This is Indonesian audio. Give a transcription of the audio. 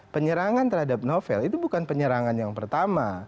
penyerangan terhadap novel itu bukan penyerangan yang pertama